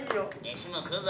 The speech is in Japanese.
飯も食うぞ。